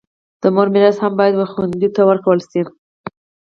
د مور میراث هم باید و خویندو ته ورکړل سي.